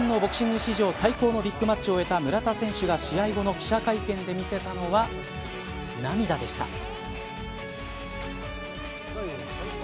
日本のボクシング史上最高のビッグマッチを終えた村田選手が試合後の記者会見で見せたのは涙でした。